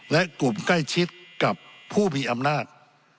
และกลุ่มใกล้ชิดกับผู้มีอำนาจ